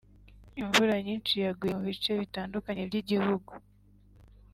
imvura nyinshi yaguye mu bice bitandukanye by’igihugu